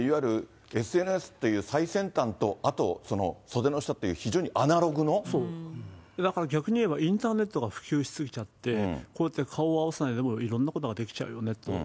ですからなんかもう、岸さん、ＳＮＳを使ったり、だから逆に言えば、インターネットが普及し過ぎちゃって、こうやって顔を合わさないでもいろんなことができちゃうよねと。